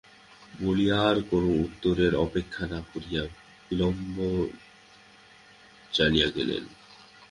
বলিয়া আর কোনো উত্তরের অপেক্ষা না করিয়া বিল্বন চলিয়া গেলেন।